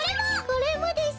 これもです。